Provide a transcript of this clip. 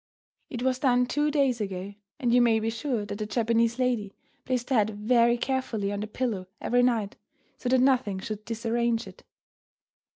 It was done two days ago, and you may be sure that the Japanese lady placed her head very carefully on the pillow every night so that nothing should disarrange it.